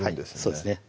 そうですね